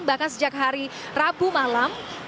bahkan sejak hari rabu malam